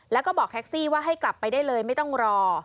แล้วก็บอกแท็กซี่ว่าให้กลับไปได้เลยไม่ต้องรอ